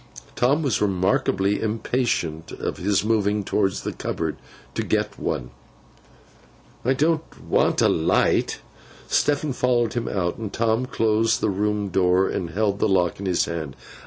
Tom was remarkably impatient of his moving towards the cupboard, to get one. 'It don't want a light.' Stephen followed him out, and Tom closed the room door, and held the lock in his hand.